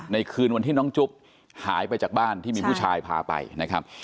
คืนวันที่น้องจุ๊บหายไปจากบ้านที่มีผู้ชายพาไปนะครับ